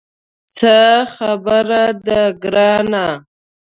څه خبره ده ګرانه.